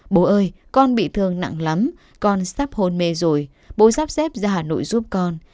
bố ơi con bị thương nặng lắm con sắp hôn mê rồi bố sắp xếp ra hà nội giúp con